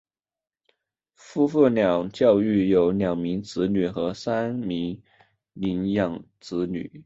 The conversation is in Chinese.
夫妇俩育有两名子女和三名领养子女。